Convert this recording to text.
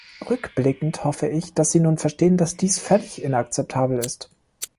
Rückblickend hoffe ich, dass Sie nun verstehen, dass dies völlig inakzeptabel ist.